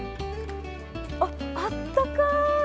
あっ、あったかーい。